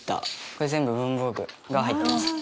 これ全部文房具が入ってます。